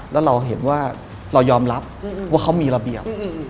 แล้วเราเห็นว่าเรายอมรับว่าเขามีระเบียบ